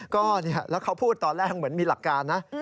ก็เนี่ยพูดตอนแรกเหมือนมีหลักการนะ